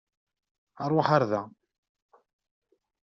Ṛwaḥ ar da!